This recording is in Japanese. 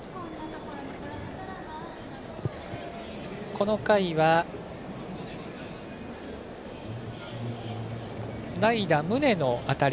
この回は代打、宗の当たり。